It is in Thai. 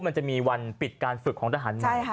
มันจะมีวันปิดการฝึกของทหารใหม่